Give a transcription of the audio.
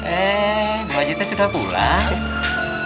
eh bu haji tuh sudah pulang